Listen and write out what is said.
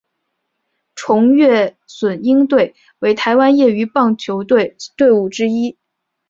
崇越隼鹰队为台湾业余棒球队伍之一。